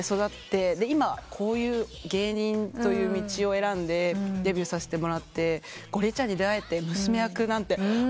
今こういう芸人という道を選んでデビューさせてもらってゴリエちゃんに出会えて娘役なんて。